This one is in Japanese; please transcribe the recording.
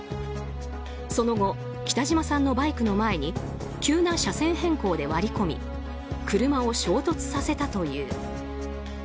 その後、北島さんのバイクの前に急な車線変更で割り込み車を衝突させたという。